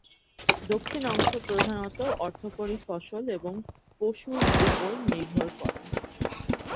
দক্ষিণ অংশ প্রধানত অর্থকরী ফসল এবং পশুর উপর নির্ভর করে।